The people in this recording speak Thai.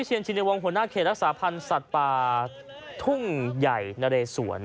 ชินวงศ์หัวหน้าเขตรักษาพันธ์สัตว์ป่าทุ่งใหญ่นะเรสวน